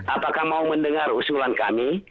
apakah mau mendengar usulan kami